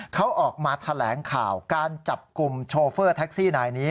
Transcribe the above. เขาออกมาแถลงข่าวการจับกลุ่มโชเฟอร์แท็กซี่นายนี้